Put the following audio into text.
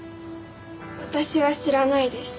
私は知らないです。